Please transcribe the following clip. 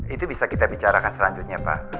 itu bisa kita bicarakan selanjutnya pak